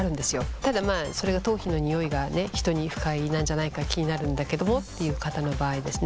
ただそれが頭皮のニオイが人に不快なんじゃないか気になるんだけどもっていう方の場合ですね